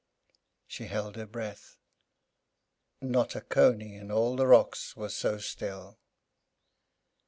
She held her breath. Not a cony in all the rocks was so still.